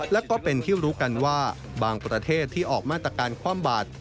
และก็เป็นที่รู้กันว่าบางประเทศที่ออกมาตรการความบาด